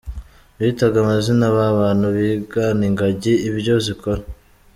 Bitaga amazina ba bantu bigana ingagi ibyo zikora.